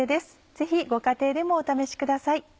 ぜひご家庭でもお試しください。